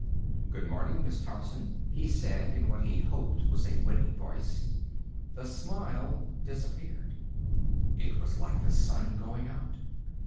"Good morning, Miss Thompson," he said in what he hoped was a winning voice. The smile disappeared. It was like the sun going out.